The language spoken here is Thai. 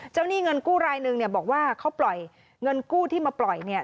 เจ้านี่เงินกู้รายหนึ่งบอกว่าเขาปล่อยเงินกู้ที่มาปล่อย